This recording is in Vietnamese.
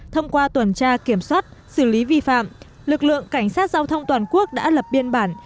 thông qua tuần tra kiểm soát xử lý vi phạm lực lượng cảnh sát giao thông toàn quốc đã lập biên bản